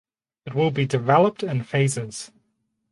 It will be developed in phases.